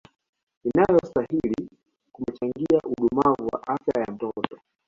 inayostahili kumechangia udumavu wa afyaya mtoto